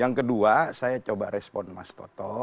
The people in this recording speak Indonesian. yang kedua saya coba respon mas toto